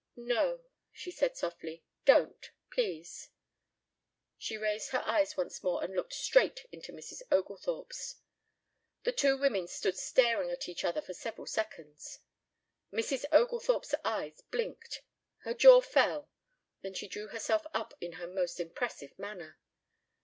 "No," she said softly. "Don't please." She raised her eyes once more and looked straight into Mrs. Oglethorpe's. The two women stood staring at each other for several seconds. Mrs. Oglethorpe's eyes blinked, her jaw fell. Then she drew herself up in her most impressive manner.